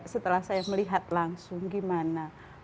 setelah saya melihat langsung gimana